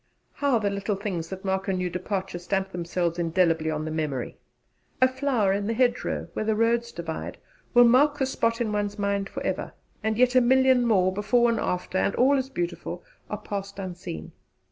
How the little things that mark a new departure stamp themselves indelibly on the memory! A flower in the hedgerow where the roads divide will mark the spot in one's mind for ever; and yet a million more, before and after, and all as beautiful, are passed unseen.